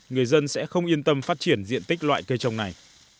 người dân sẽ không yên tâm phát triển diện tích loại cây trồng này